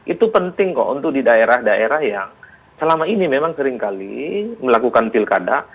itu penting kok untuk di daerah daerah yang selama ini memang seringkali melakukan pilkada